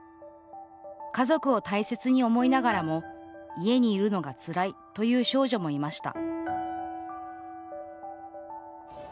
家族を大切に思いながらも家にいるのがつらいという少女もいました